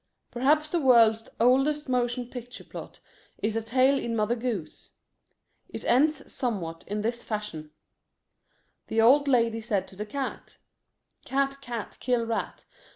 Perhaps the world's oldest motion picture plot is a tale in Mother Goose. It ends somewhat in this fashion: The old lady said to the cat: "Cat, cat, kill rat.